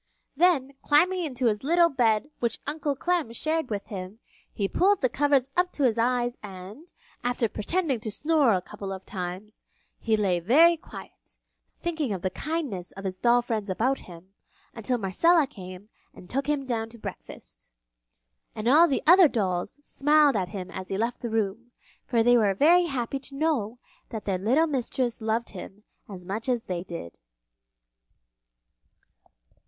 Then, climbing into the little bed which Uncle Clem shared with him, he pulled the covers up to his eyes and, after pretending to snore a couple of times, he lay very quiet, thinking of the kindness of his doll friends about him, until Marcella came and took him down to breakfast. And all the other dolls smiled at him as he left the room, for they were very happy to know that their little mistress loved him as much as they did.